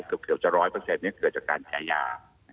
เกือบจะ๑๐๐เกิดจากการแชร์ยา